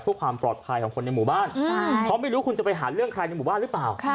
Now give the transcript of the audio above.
เพื่อความปลอดภัยของคนในหมู่บ้านเพราะไม่รู้คุณจะไปหาเรื่องใครในหมู่บ้านหรือเปล่า